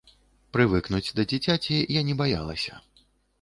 Прывыкнуць да дзіцяці я не баялася.